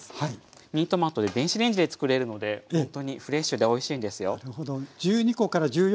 ミニトマトで電子レンジでつくれるのでほんとにフレッシュでおいしいんですよ。